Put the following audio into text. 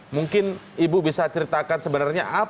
mungkin ibu bisa ceritakan sebenarnya